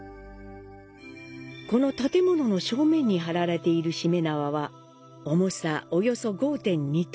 この建物の正面に張られている「注連縄」は、重さ約５．２ｔ。